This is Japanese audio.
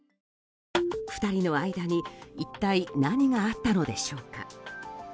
２人の間に一体、何があったのでしょうか。